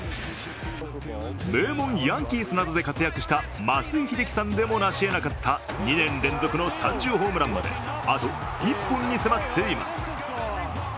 名門ヤンキースなどで活躍した松井秀喜さんでもなしえなかった２年連続の３０ホームランまであと１本に迫っています。